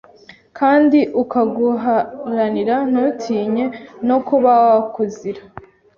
kandi ukaguharanira ntutinye no kuba wakuzira;